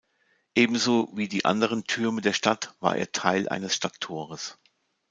Ebenso wie die anderen Türme der Stadt war er Teil eines Stadttores.